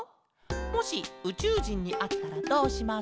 「もしうちゅうじんにあったらどうしますか？」。